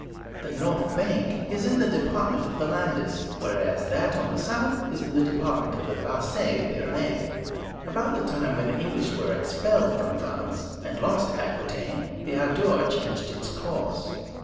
The north bank is in the Department of the Landes, whereas that on the south is in the Department of the Basses Pyrénées. About the time when the English were expelled from France, and lost Aquitaine, the Adour changed its course.